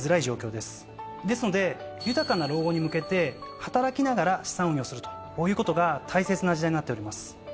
ですので豊かな老後に向けて働きながら資産運用するとこういうことが大切な時代になっております。